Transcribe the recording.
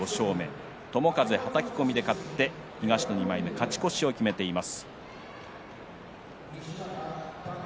友風、はたき込みで勝って東の２枚目で勝ち越しを決めています。